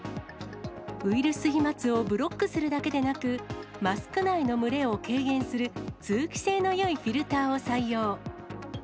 ウイルス飛まつをブロックするだけでなく、マスク内の蒸れを軽減する、通気性のよいフィルターを採用。